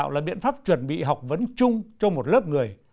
là biện pháp chuẩn bị học vấn chung cho một lớp người